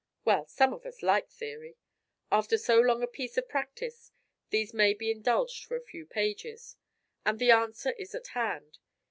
Well, some of us like theory. After so long a piece of practice, these may be indulged for a few pages. And the answer is at hand.